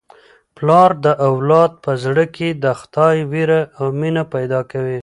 پلار د اولاد په زړه کي د خدای وېره او مینه پیدا کوي.